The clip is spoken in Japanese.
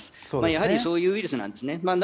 やはりそういうウイルスなんですね。